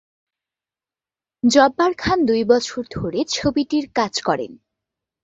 জব্বার খান দুই বছর ধরে ছবিটির কাজ করেন।